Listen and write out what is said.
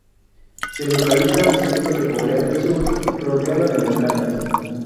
Se localiza al centro de Corea del Sur, rodeada de montañas.